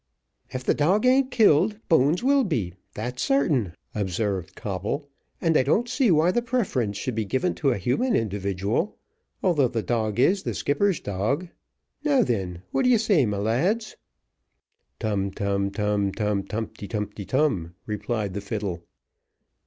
"If the dog ain't killed, Bones will be, that's sartain," observed Coble, "and I don't see why the preference should be given to a human individual, although the dog is the skipper's dog now then, what d'ye say, my lads?" Tum tum, tum tum, tumty tumty tum, replied the fiddle.